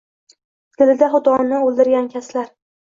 Dilida xudoni oʻldirgan kaslar